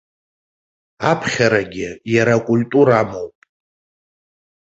Аԥхьарагьы иара акультура амоуп.